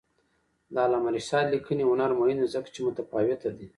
د علامه رشاد لیکنی هنر مهم دی ځکه چې متفاوته دی.